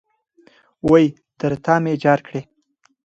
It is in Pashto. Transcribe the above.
وئ ! تر تامي جار کړې